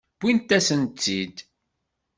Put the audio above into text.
Wwint-asent-tt-id.